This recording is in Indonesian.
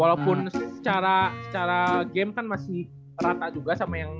walaupun secara game kan masih rata juga